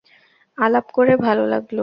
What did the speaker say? আলাপ করে ভালো লাগলো।